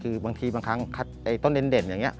คือบางทีบางครั้งต้นเด่นอย่างนี้